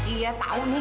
iya tahu nih